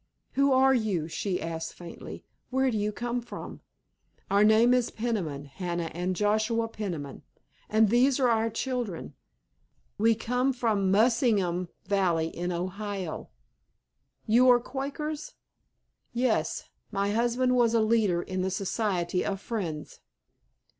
"Who are you?" she asked faintly. "Where do you come from?" "Our name is Peniman, Hannah and Joshua Peniman. And these are our children. We come from the Muskingum Valley in Ohio." "You are Quakers?" "Yes. My husband was a leader in the Society of Friends."